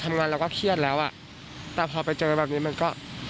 แต่พอไปเจอแบบนี้มันก็